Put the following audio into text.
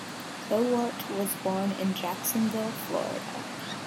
Cowart was born in Jacksonville, Florida.